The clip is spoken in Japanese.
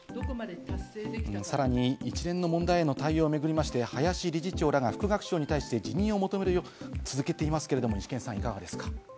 さらに、一連の問題への対応を巡りまして林理事長らが副学長に対して辞任を求めるよう続けているということですが、イシケンさん、いかがですか？